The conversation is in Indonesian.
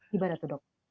gimana tuh dok